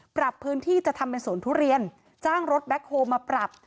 ปรับพื้นที่จะทำเป็นสวนทุเรียนจ้างรถแบ็คโฮลมาปรับ